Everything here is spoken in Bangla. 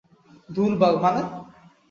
ধুর বাল মানে?